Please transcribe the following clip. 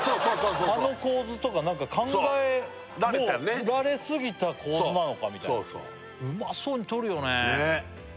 そうあの構図とか何か考えられすぎた構図なのかみたいなうまそうに撮るよねねえ！